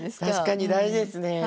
確かに大事ですね。